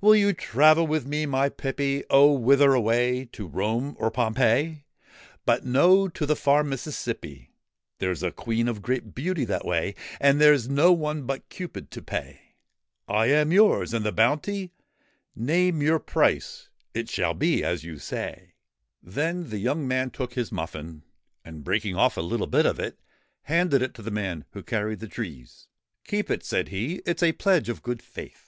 ' Will you travel with me, my pippy ?'' Oh ! Whither away ? To Rome or Pompeii ?'' But no ; to the far Mississippi: There's a Queen of great beauty that way, And there 's no one but Cupid to pay.' ' I am yours ! And the bounty ?' 1 Name your price : it shall be as you say.' D 25 THE QUEEN OF THE MISSISSIPPI Then the young man took his muffin, and, breaking off a little bit of it, handed it to the man who carried the trees. ' Keep it,' said he ;' it 's a pledge of good faith.'